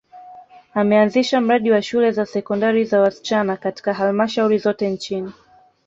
ameanzisha mradi wa shule za sekondari za wasichana katika halmashauri zote nchini